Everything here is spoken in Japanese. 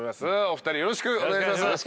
お二人よろしくお願いします。